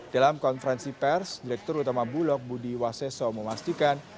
dalam konferensi pers direktur utama bulog budi waseso memastikan